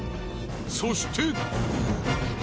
そして。